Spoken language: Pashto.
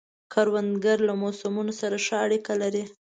کروندګر له موسمو سره ښه اړیکه لري